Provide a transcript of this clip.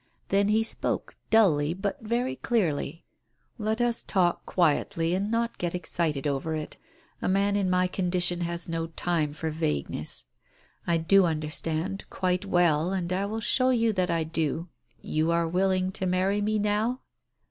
Then he spoke, dully, but very clearly, "Let us talk quietly, and not get excited over it. A man in my condition has no time for vagueness. I do understand, quite well, and I will show you that I do. You are willing to marry me now?"